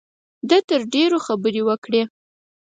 ده تر ډېرو خبرې وکړې.